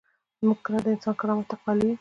موږ کله د انسان کرامت ته قایل کیږو؟